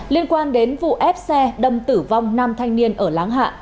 liên quan đến vụ ép xe đâm tử vong năm thanh niên ở láng hạ